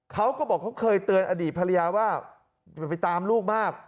เขาก็บอกเขาเคยเตือนอดีตภรรยาว่าอย่าไปตามลูกมาก